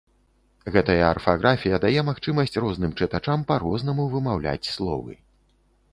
Гэтая арфаграфія дае магчымасць розным чытачам па-рознаму вымаўляць словы.